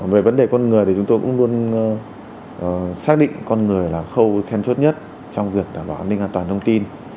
về vấn đề con người thì chúng tôi cũng luôn xác định con người là khâu then chốt nhất trong việc đảm bảo an ninh an toàn thông tin